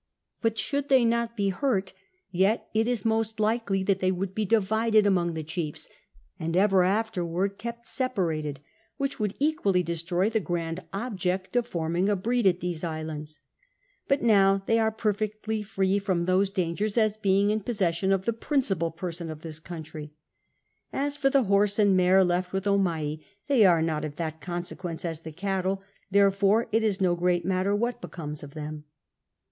But should they not be hurt, yet it is most likely that they would be divided among the chiefs, and ever afterward kept seiuirated, which would equally destroy the grand object of form Lug a breed at those islands : but now they ore perfectly free from those dangers as being in posses sion of the principal person of this country. As for the horse and maro left with Omai, they arc not of that consequence as the cattle, therefore it is no great matter what becomes of them.